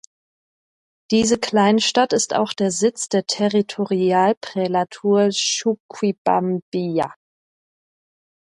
Diese Kleinstadt ist auch der Sitz der Territorialprälatur Chuquibambilla.